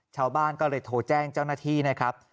ชาวบ้านก็เลยโทรแจ้งเจ้าหน้าที่นะครับ